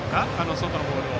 外のボールを。